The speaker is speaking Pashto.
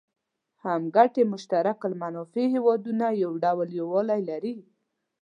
هم ګټي مشترک المنافع هېوادونه یو ډول یووالی لري.